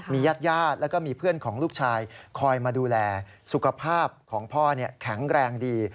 ญาติญาติแล้วก็มีเพื่อนของลูกชายคอยมาดูแลสุขภาพของพ่อแข็งแรงดี